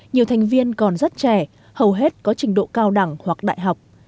nhiều thành viên còn rất trẻ hầu hết có trình độ cao đẳng hoặc đại học